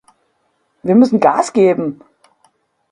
Wir müssen Gas geben!